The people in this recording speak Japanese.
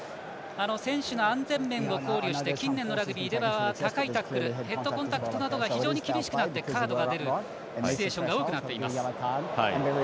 選手の安全面を考慮して近年のラグビーでは高いタックルヘッドコンタクトなど非常に厳しくなってカードが出るシチュエーションが多くなっています。